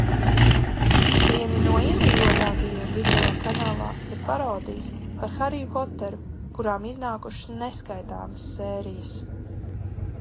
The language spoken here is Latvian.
Vieni no iemīļotākajiem video kanālā ir parodijas par Hariju Poteru, kurām iznākušas neskaitāmas sērijas.